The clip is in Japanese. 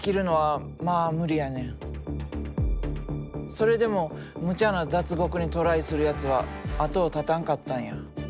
それでもむちゃな脱獄にトライするやつは後を絶たんかったんや。